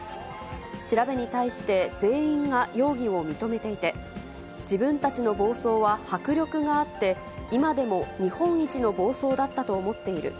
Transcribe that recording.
調べに対して、全員が容疑を認めていて、自分たちの暴走は迫力があって、今でも日本一の暴走だったと思っている。